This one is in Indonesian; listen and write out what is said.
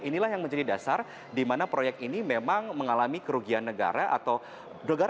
dan inilah yang menjadi dasar dimana proyek ini memang mengalami kerugian negara atau negara